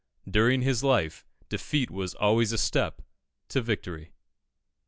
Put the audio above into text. During his life, defeat was always a step to victory.